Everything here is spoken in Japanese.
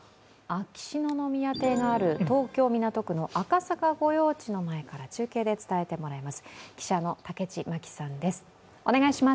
秋篠宮邸のある東京・港区の赤坂御用地の前から伝えてもらいます。